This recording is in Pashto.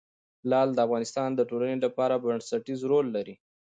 لعل د افغانستان د ټولنې لپاره بنسټيز رول لري.